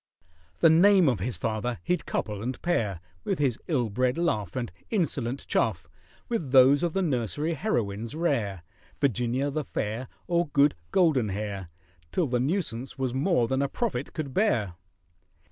The name of his father he'd couple and pair (With his ill bred laugh, And insolent chaff) With those of the nursery heroines rare— Virginia the Fair, Or Good Goldenhair, Till the nuisance was more than a prophet could bear.